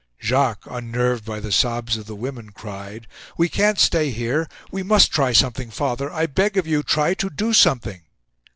Jacques, unnerved by the sobs of the women, cried: "We can't stay here. We must try something. Father, I beg of you, try to do something."